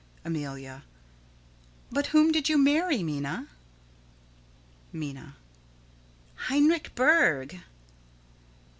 _] Amelia: But whom did you marry, Minna? Minna: Heinrich Berg.